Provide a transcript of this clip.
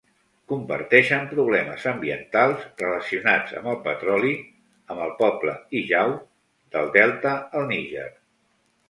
Comparteixen problemes ambientals relacionats amb el petroli amb el poble Ijaw del delta el Níger.